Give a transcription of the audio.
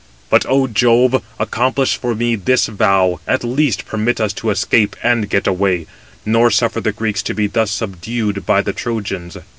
But, Ο Jove, accomplish for me this vow, at least permit us to escape and get away; nor suffer the Greeks to be thus subdued by the Trojans."